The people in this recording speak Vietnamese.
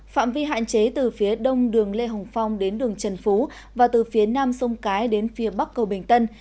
phạm vi hạn chế từ phía đông đường lê hồng phong đến đường trần phú và từ phía nam sông cái đến phía bắc cầu bình tân